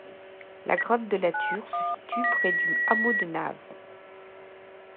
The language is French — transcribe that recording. La grotte de la Ture se situe près du hameau de Naves.